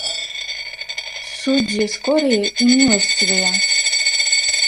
Суддзі скорыя і міласцівыя!